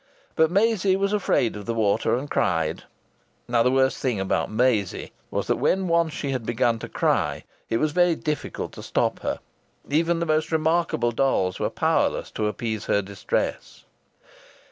But Maisie was afraid of the water and cried. Now the worst thing about Maisie was that when once she had begun to cry it was very difficult to stop her. Even the most remarkable dolls were powerless to appease her distress.